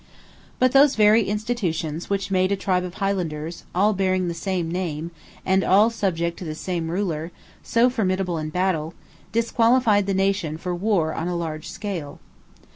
But those very institutions which made a tribe of highlanders, all bearing the same name, and all subject to the same ruler, so formidable in battle, disqualified the nation for war on a large scale.